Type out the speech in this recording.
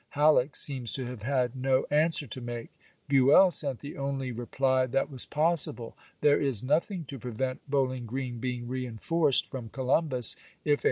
Halleck seems to have had no answer to make; Buell sent the only reply that was possible :" There is nothing to prevent Bowl ing Grreen being reenforced from Columbus if a ®